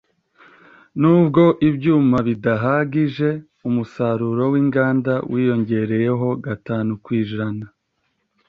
Nubwo ibyuma bidahagije, umusaruro w’inganda wiyongereyeho gatanu ku ijana.